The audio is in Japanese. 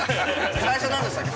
最初なんでしたっけ？